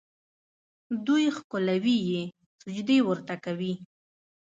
دوی ښکلوي یې، سجدې ورته کوي.